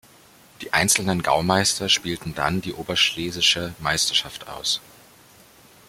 Die einzelnen Gaumeister spielten dann die Oberschlesische Meisterschaft aus.